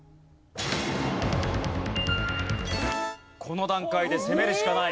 この段階で攻めるしかない。